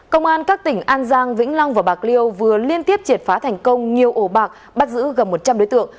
công an các tỉnh an giang vĩnh long và bạc liêu vừa liên tiếp triệt phá thành công nhiều ổ bạc bắt giữ gần một trăm linh đối tượng